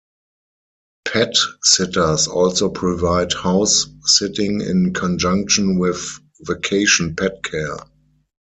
Pet sitters also provide house sitting in conjunction with vacation pet care.